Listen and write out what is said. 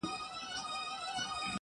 نیلی مي زین دی روانېږمه بیا نه راځمه.!